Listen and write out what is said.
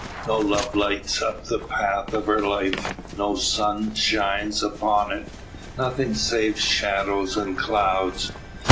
No love lights up the path of her life, no sun shines upon it; nothing save shadow and clouds.